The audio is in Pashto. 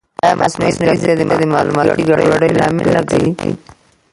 ایا مصنوعي ځیرکتیا د معلوماتي ګډوډۍ لامل نه ګرځي؟